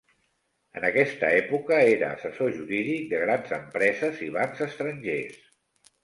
En aquesta època, era assessor jurídic de grans empreses i bancs estrangers.